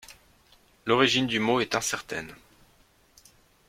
L'origine du mot est incertaine.